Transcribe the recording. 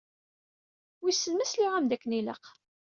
Wissen ma sliɣ-am-d akken ilaq?